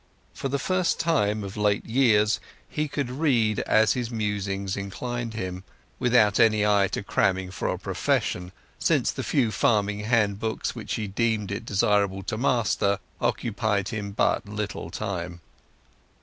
For the first time of late years he could read as his musings inclined him, without any eye to cramming for a profession, since the few farming handbooks which he deemed it desirable to master occupied him but little time.